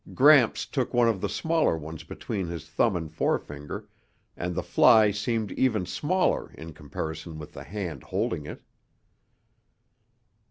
Gramps took one of the smaller ones between his thumb and forefinger, and the fly seemed even smaller in comparison with the hand holding it.